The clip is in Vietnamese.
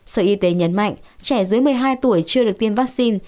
sở y tế nhấn mạnh trẻ dưới một mươi hai tuổi chưa được tiêm vaccine